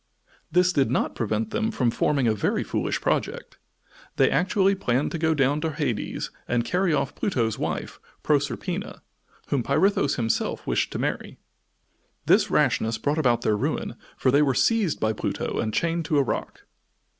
This did not prevent them from forming a very foolish project. They actually planned to go down to Hades and carry off Pluto's wife, Proserpina, whom Pirithous himself wished to marry. This rashness brought about their ruin, for they were seized by Pluto and chained to a rock.